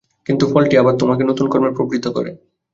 কিন্তু ফলটি আবার তোমাকে নূতন কর্মে প্রবৃত্ত করে।